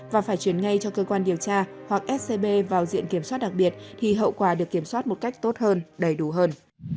và phải chuyển ngay cho cơ quan điều tra hoặc scb vào diện kiểm soát đặc biệt thì hậu quả được kiểm soát một cách tốt hơn đầy đủ hơn